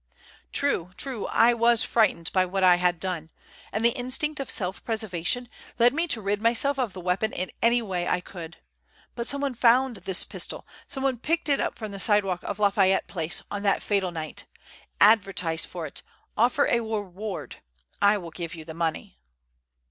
"True, true. I was frightened by what I had done, and the instinct of self preservation led me to rid myself of the weapon in any way I could. But someone found this pistol; someone picked it up from the sidewalk of Lafayette Place on that fatal night. Advertise for it. Offer a reward. I will give you the money."